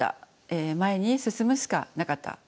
前に進むしかなかった。